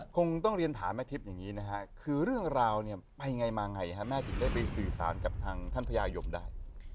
คงต้องเรียนถามแม่ทิพย์อย่างนี้นะฮะคือเรื่องราวเนี่ยไปไงมาไงแม่ถึงได้ไปสื่อสารกับทางท่านพญายมได้